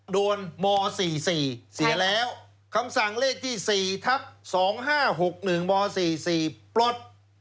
ม๔๔เสียแล้วคำสั่งเลขที่๔ทับ๒๕๖๑ม๔๔ปลด